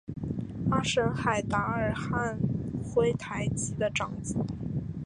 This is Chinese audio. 阿什海达尔汉珲台吉的长子。